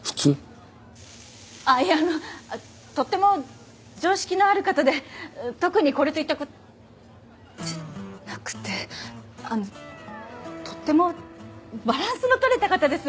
あっいやあのとっても常識のある方で特にこれといったじゃなくてあのとってもバランスのとれた方です。